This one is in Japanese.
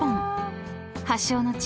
［発祥の地